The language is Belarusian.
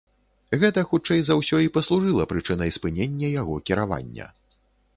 Гэта хутчэй за ўсё і паслужыла прычынай спынення яго кіравання.